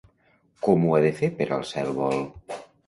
Com ho ha de fer per alçar el vol?